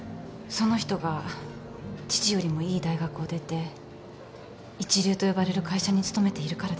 その人が父よりもいい大学を出て一流と呼ばれる会社に勤めているからですか？